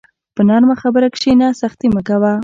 په نرمه خبره کښېنه، سختي مه کوه.